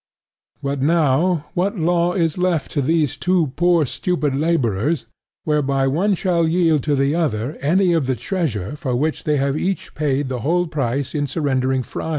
But now what Law is left to these two poor stupid laborers whereby one shall yield to the other any of the treasure for which they have each paid the whole price in surrendering Freia?